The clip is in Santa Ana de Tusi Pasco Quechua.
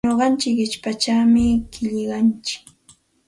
Nuqantsik qichpachawmi qillqantsik.